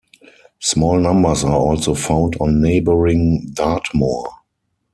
Small numbers are also found on neighbouring Dartmoor.